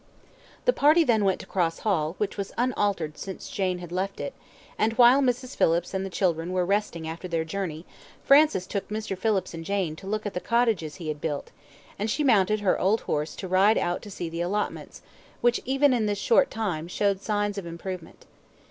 The party then went to Cross Hall, which was unaltered since Jane had left it; and while Mrs. Phillips and the children were resting after their journey, Francis took Mr. Phillips and Jane to look at the cottages he had built, and she mounted her old horse to ride out to see the allotments, which, even in this short time, showed signs of improvement.